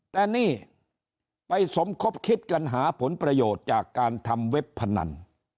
แต่นี่ไปสมคบคิดกันหาผลประโยชน์จากการทำเว็บพนัน